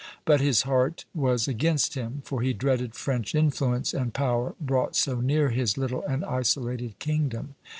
but his heart was against him, for he dreaded French influence and power brought so near his little and isolated kingdom.